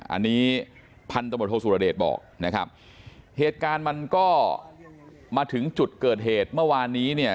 อันนี้พันธบทโทสุรเดชบอกนะครับเหตุการณ์มันก็มาถึงจุดเกิดเหตุเมื่อวานนี้เนี่ย